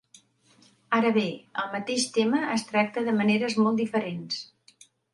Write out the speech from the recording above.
Ara bé, el mateix tema es tracta de maneres molt diferents.